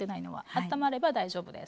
あったまれば大丈夫です。